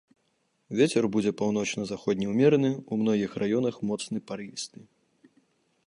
Вецер будзе паўночна-заходні ўмераны, у многіх раёнах моцны парывісты.